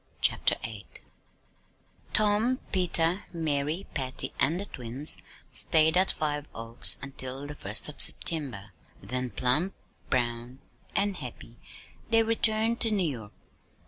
CHAPTER VIII Tom, Peter, Mary, Patty, and the twins stayed at Five Oaks until the first of September, then, plump, brown, and happy they returned to New York.